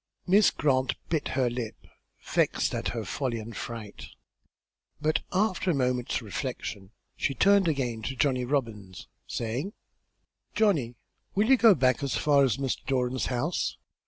Miss Grant bit her lip, vexed at her folly and fright. But after a moment's reflection she turned again to Johnny Robbins, saying: "Johnny, will you go back as far as Mr. Doran's house?